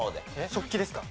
食器ですか？